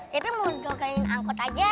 tapi mau dogain angkot aja